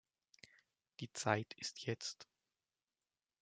Die Zeit ist jetzt.